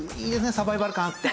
サバイバル感あって。